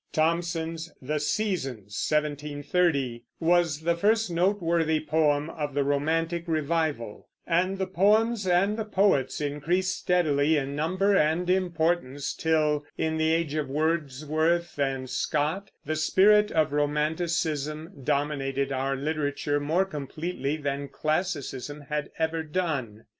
Thomson's The Seasons (1730) was the first noteworthy poem of the romantic revival; and the poems and the poets increased steadily in number and importance till, in the age of Wordsworth and Scott, the spirit of Romanticism dominated our literature more completely than Classicism had ever done.